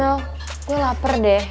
aku lapar deh